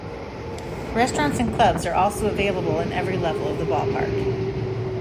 Restaurants and clubs are also available in every level of the ballpark.